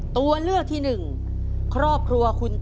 ตัวเลือกที่หนึ่งครอบครัวคุณ